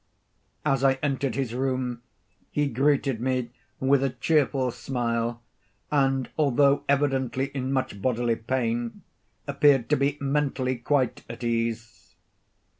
As I entered his room he greeted me with a cheerful smile, and although evidently in much bodily pain, appeared to be, mentally, quite at ease.